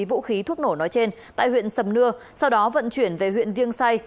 vũ khí thuốc nổ nói trên tại huyện sầm nưa sau đó vận chuyển về huyện viêng say